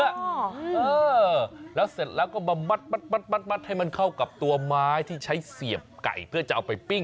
เออแล้วเสร็จแล้วก็มามัดให้มันเข้ากับตัวไม้ที่ใช้เสียบไก่เพื่อจะเอาไปปิ้ง